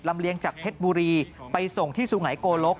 เลียงจากเพชรบุรีไปส่งที่สุไงโกลก